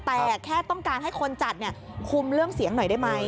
แต่แค่ต้องการให้คนจัดคุมเรื่องเสียงหน่อยได้ไหม